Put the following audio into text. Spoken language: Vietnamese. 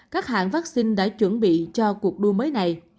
các hãng vaccine đã chuẩn bị cho cuộc đua mới này